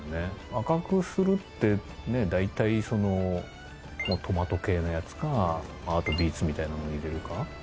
赤くするって大体トマト系のやつかあとビーツみたいなもの入れるか。